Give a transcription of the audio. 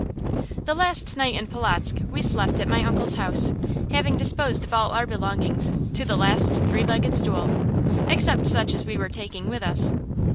The last night in Polotzk we slept at my uncle's house, having disposed of all our belongings, to the last three legged stool, except such as we were taking with us.